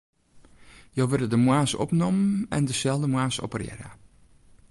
Jo wurde de moarns opnommen en deselde moarns operearre.